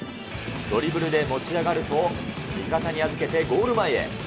ドリブルで持ち上がると、味方に預けてゴール前へ。